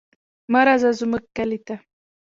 مه راځه زموږ کلي ته.